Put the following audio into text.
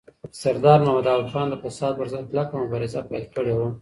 سردار محمد داود خان د فساد پر ضد کلکه مبارزه پیل کړې وه.